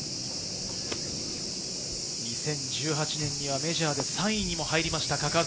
２０１８年にはメジャーで３位にも入りました嘉数。